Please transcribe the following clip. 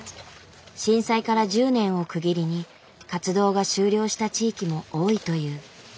震災から１０年を区切りに活動が終了した地域も多いという。